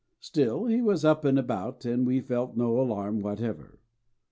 Still he was up and about, and we felt no alarm whatever.